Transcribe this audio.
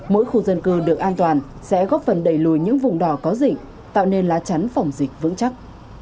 mỗi khu dân cư được an toàn sẽ góp phần đẩy lùi những vùng đỏ có dịch tạo nên lá chắn phòng dịch vững chắc